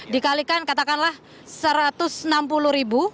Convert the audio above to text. dikalikan katakanlah satu ratus enam puluh ribu